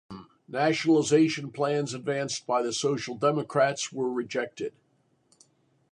Nationalization plans advanced by the Social Democrats were rejected.